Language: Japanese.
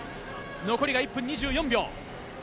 残りが１分２４秒。